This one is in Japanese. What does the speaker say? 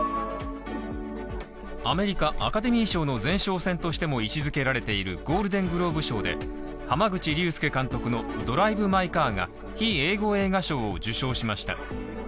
アメリカアカデミー賞の前哨戦としても位置づけられているゴールデングローブ賞で濱口竜介監督の「ドライブ・マイ・カー」が、非英語映画賞を受賞しました。